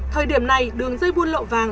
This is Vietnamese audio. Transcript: thời điểm này đường dây buôn lậu vàng